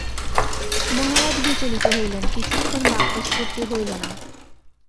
মহারাজ বিচলিত হইলেন, কিছুক্ষণ বাক্যস্ফূর্তি হইল না।